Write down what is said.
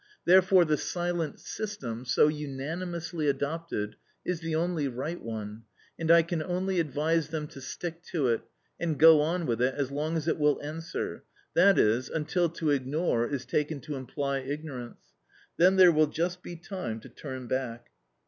Therefore the silent system, so unanimously adopted, is the only right one, and I can only advise them to stick to it and go on with it as long as it will answer, that is, until to ignore is taken to imply ignorance; then there will just be time to turn back.